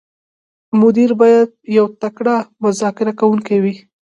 مدیر باید یو تکړه مذاکره کوونکی وي.